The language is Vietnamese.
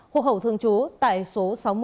hồ hậu thương chú tại số sáu mươi